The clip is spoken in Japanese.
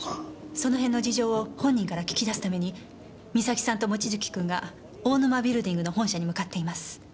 その辺の事情を本人から聞き出すために三崎さんと望月君が大沼ビルディングの本社に向かっています。